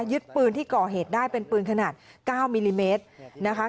ยึดปืนที่ก่อเหตุได้เป็นปืนขนาด๙มิลลิเมตรนะคะ